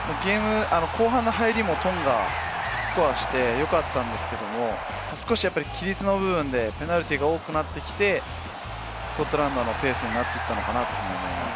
後半の入りもトンガ良かったんですけれども、少し規律の部分でペナルティーが多くなってきて、スコットランドのペースになっていったのかなと思います。